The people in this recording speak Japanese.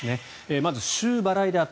まず週払いであった。